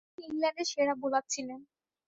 তিনি ইংল্যান্ডের সেরা বোলার ছিলেন।